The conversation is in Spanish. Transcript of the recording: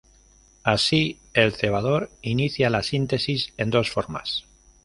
Así, el cebador inicia la síntesis en dos formas.